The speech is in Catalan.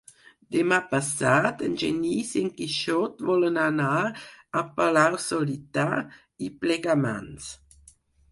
Demà passat en Genís i en Quixot volen anar a Palau-solità i Plegamans.